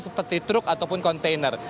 seperti truk ataupun kontainer